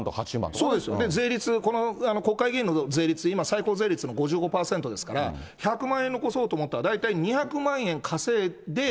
そうですよ、税率、国会議員の税率、今、最高税率の５５％ですから、１００万円残そうと思ったら、大体２００万円稼いで。